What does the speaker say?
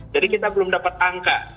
jadi kita belum dapat angka